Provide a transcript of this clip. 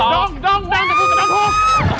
ดองจับกูตะดูก